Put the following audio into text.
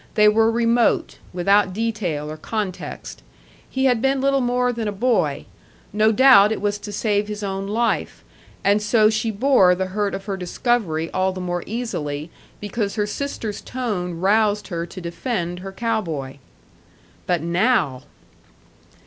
They were remote, without detail or context. He had been little more than a boy. No doubt it was to save his own life. And so she bore the hurt of her discovery all the more easily because her sister's tone roused her to defend her cow boy. But now!